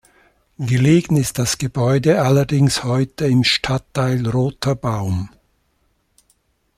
Gelegen ist das Gebäude allerdings heute im Stadtteil Rotherbaum.